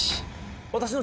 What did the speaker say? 私の。